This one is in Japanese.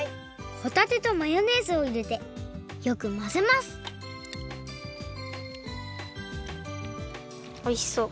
ホタテとマヨネーズをいれてよくまぜますおいしそう。